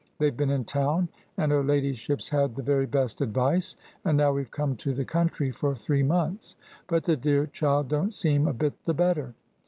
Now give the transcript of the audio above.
They've been in town, and her ladyship's had the very best advice, and now we've come to the country for three months, but the dear child don't seem a bit the better.